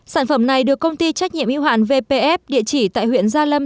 sản phẩm này được công ty trách nhiệm yêu hạn vpf địa chỉ tại huyện gia lâm